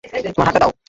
তোমার হাতটা দাও!